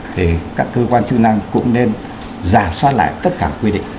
thì các cơ quan chức năng cũng nên giả soát lại tất cả quy định